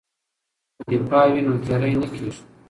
که دفاع وي نو تیری نه کیږي.